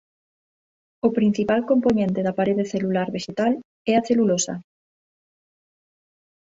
O principal compoñente da parede celular vexetal é a celulosa.